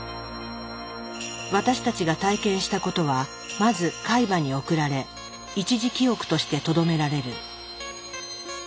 私たちが体験したことはまず海馬に送られ一時記憶としてとどめられる。